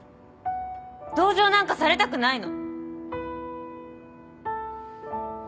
同情なんかされたくないの。